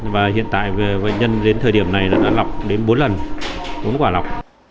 và hiện tại bệnh nhân đến thời điểm này đã lọc đến bốn lần bốn quả lọc